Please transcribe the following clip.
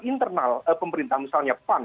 internal pemerintah misalnya pan